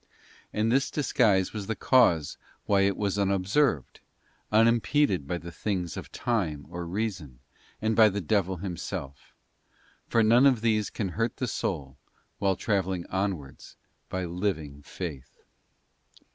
And this disguise was the ios _— lal THE BLISS OF FAITH. 56 cause why it was unobserved, unimpeded by the things of time or reason, and by the devil himself: for none of these can hurt the soul while travelling onwards by living faith.